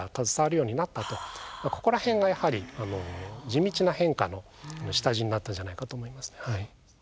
ここら辺がやはり地道な変化の下地になったんじゃないかと思います。